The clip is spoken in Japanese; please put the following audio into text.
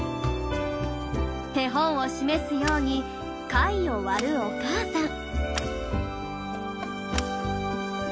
手本を示すように貝を割るお母さん。